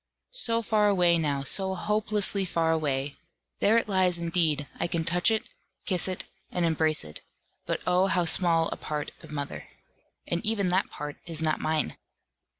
So far away now, so hopelessly far away! There it lies indeed, I can touch it, kiss it, and embrace it; but oh how small a part of mother! and even that part is not mine.